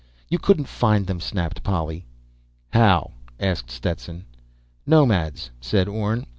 "You couldn't find them!" snapped Polly. "How?" asked Stetson. "Nomads," said Orne.